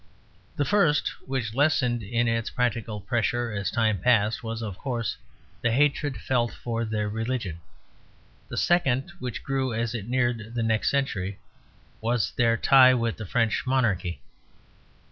The first, which lessened in its practical pressure as time passed, was, of course, the hatred felt for their religion. The second, which grew as it neared the next century, was their tie with the French Monarchy.